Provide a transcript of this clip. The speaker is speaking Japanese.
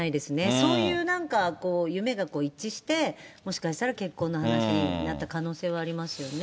そういうなんか、夢が一致して、もしかしたら結婚の話になった可能性はありますよね。